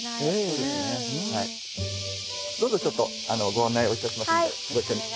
どうぞちょっとご案内をいたしますんでご一緒に。